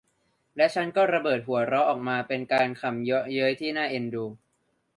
และฉันก็ระเบิดหัวเราะออกมา เป็นการขำเยาะเย้ยที่น่าเอ็นดู